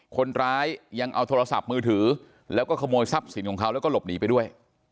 คนร้ายยังเอาโทรศัพท์มือถือแล้วก็ขโมยทรัพย์สินของเขาแล้วก็หลบหนีไปด้วย